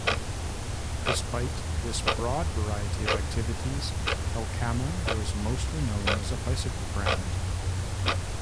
Despite this broad variety of activities, Helkama is mostly known as a bicycle brand.